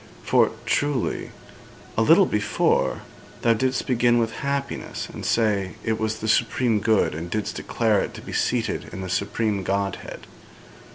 For, truly, a little before thou didst begin with happiness, and say it was the supreme good, and didst declare it to be seated in the supreme Godhead.